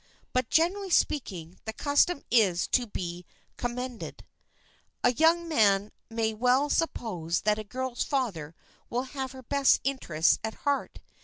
But, generally speaking, the custom is to be commended. A young man may well suppose that a girl's father will have her best interests at heart.